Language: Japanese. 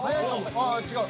ああ違う。